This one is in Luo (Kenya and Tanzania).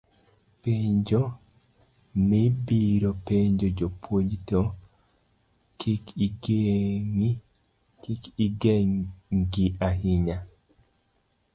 penjo mibiro penjo japuonj, to kik igengi ahinya